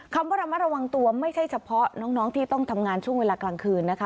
คำว่าระมัดระวังตัวไม่ใช่เฉพาะน้องที่ต้องทำงานช่วงเวลากลางคืนนะคะ